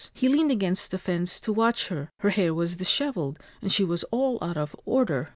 He leaned against the fence to watch her. Her hair was dishevelled, and she was all out of order.